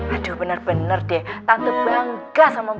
aduh bener bener deh tante bangga sama mbak kim